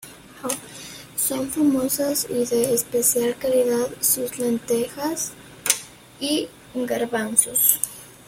Son famosas y de especial calidad sus lentejas y garbanzos.